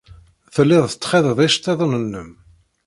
Telliḍ tettxiḍiḍ iceḍḍiḍen-nnem.